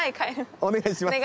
お願いします。